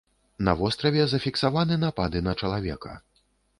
На востраве зафіксаваны напады на чалавека.